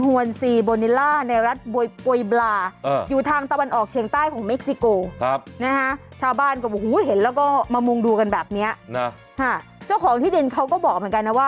แล้วก็ยังรวมไปถึงวงเงินซื้อก๊าซหูต้ม๔๕บาทต่อ๓เดือนด้วย